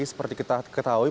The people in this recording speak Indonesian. jadi seperti kita ketahui